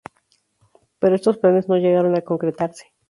Pero estos planes no llegaron a concretarse.